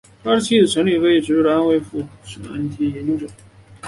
他的妻子陈丽菲也是执着的慰安妇问题研究者。